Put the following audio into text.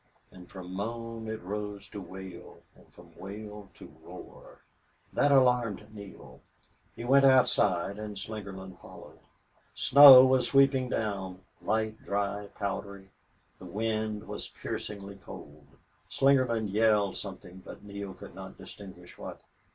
And from moan it rose to wail, and from wail to roar. That alarmed Neale. He went outside and Slingerland followed. Snow was sweeping down light, dry, powdery. The wind was piercingly cold. Slingerland yelled something, but Neale could not distinguish what.